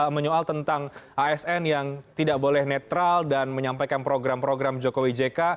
menyoal tentang asn yang tidak boleh netral dan menyampaikan program program jokowi jk